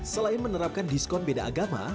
selain menerapkan diskon beda agama